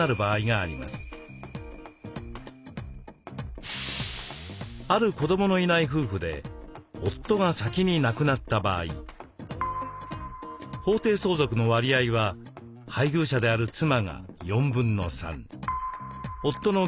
ある子どものいない夫婦で夫が先に亡くなった場合法定相続の割合は配偶者である妻が3/4。